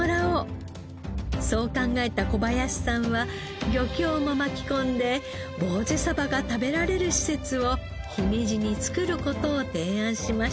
そう考えた小林さんは漁協も巻き込んでぼうぜが食べられる施設を姫路につくる事を提案しました。